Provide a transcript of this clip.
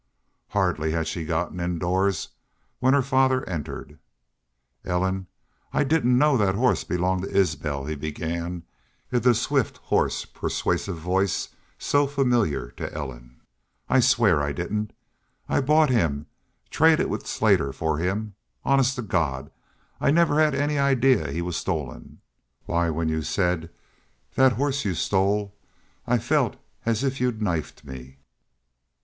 Hardly had she gotten indoors when her father entered. "Ellen, I didn't know that horse belonged to Isbel," he began, in the swift, hoarse, persuasive voice so familiar to Ellen. "I swear I didn't. I bought him traded with Slater for him.... Honest to God, I never had any idea he was stolen! ... Why, when y'u said 'that horse y'u stole,' I felt as if y'u'd knifed me...."